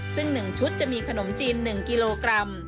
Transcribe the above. ซึ่ง๑ชุดจะมีขนมจีน๑กิโลกรัม